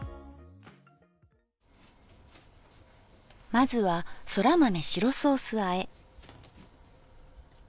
まずはそら豆白ソースあえ。